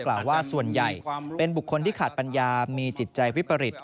กล่าวว่าส่วนใหญ่เป็นบุคคลที่ขาดปัญญามีจิตใจวิปริต